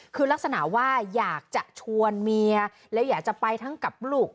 คือลักษณะว่าอยากจะชวนเมียแล้วอยากจะไปทั้งกับลูก